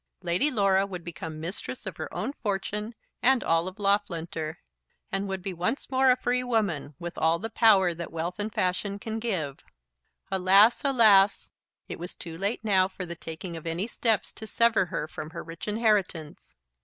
Lady Laura would become mistress of her own fortune and of all Loughlinter, and would be once more a free woman, with all the power that wealth and fashion can give. Alas, alas! it was too late now for the taking of any steps to sever her from her rich inheritance!